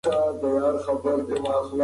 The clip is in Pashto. د الوتکې کړکۍ ته نږدې کېناستل زما خوښېږي.